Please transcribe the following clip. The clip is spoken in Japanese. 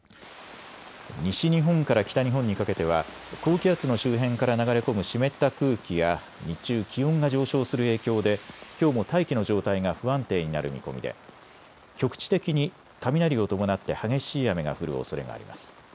西日本から北日本にかけては高気圧の周辺から流れ込む湿った空気や日中、気温が上昇する影響できょうも大気の状態が不安定になる見込みで局地的に雷を伴って激しい雨が降るおそれがあります。